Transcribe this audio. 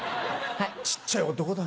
小っちゃい男だ。